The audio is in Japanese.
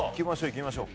いきましょう。